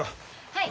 はい。